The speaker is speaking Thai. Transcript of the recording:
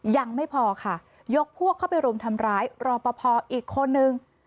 ยังไม่พอค่ะยกพวกเข้าไปรุมทำร้ายรอปภอีกคนนึง